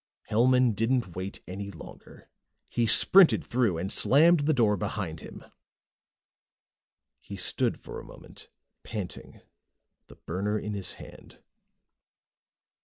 Hellman didn't wait any longer. He sprinted through and slammed the door behind him. He stood for a moment, panting, the burner in his hand.